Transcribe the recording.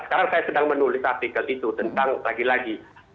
sekarang saya sedang menulis artikel itu tentang lagi lagi